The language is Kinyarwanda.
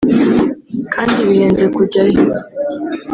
kandi bihenze kujyayo